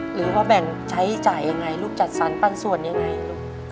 หรือว่าแบ่งใช้จ่ายยังไงลูกจัดสรรปันส่วนยังไงลูก